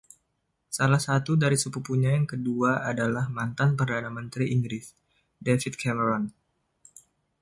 Salah satu dari sepupunya yang kedua adalah mantan Perdana Menteri Inggris, David Cameron.